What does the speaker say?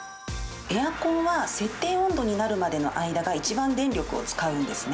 エアコンは、設定温度になるまでの間が、一番電力を使うんですね。